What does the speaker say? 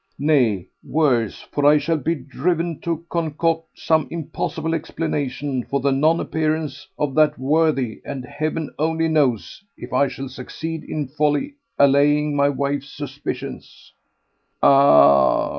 Nay, worse! for I shall be driven to concoct some impossible explanation for the non appearance of that worthy, and heaven only knows if I shall succeed in wholly allaying my wife's suspicions. "Ah!"